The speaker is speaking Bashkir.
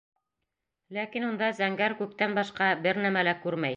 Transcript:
Ләкин унда зәңгәр күктән башҡа бер нәмә лә күрмәй.